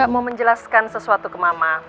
aku gak mau menjelaskan sesuatu ke mama